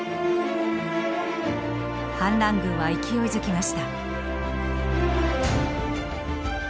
反乱軍は勢いづきました。